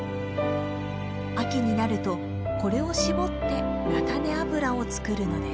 秋になるとこれを搾って菜種油を作るのです。